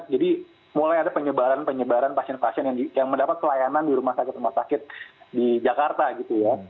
jadi mulai ada penyebaran penyebaran pasien pasien yang mendapat pelayanan di rumah sakit rumah sakit di jakarta gitu ya